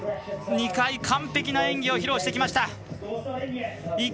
２回、完璧な演技を披露しました。